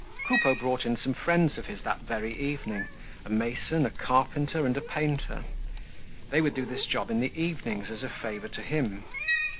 Coupeau brought in some friends of his that very evening—a mason, a carpenter and a painter. They would do this job in the evenings as a favor to him.